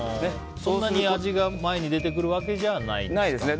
そんなに味が前に出てくるわけではないんですね。